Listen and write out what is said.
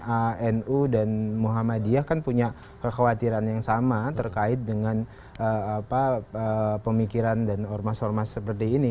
anu dan muhammadiyah kan punya kekhawatiran yang sama terkait dengan pemikiran dan ormas ormas seperti ini